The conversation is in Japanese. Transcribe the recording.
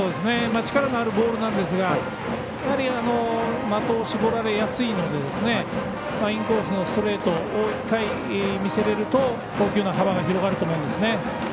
力のあるボールなんですが的を絞られやすいのでインコースのストレートを一回見せられると投球の幅が広がると思います。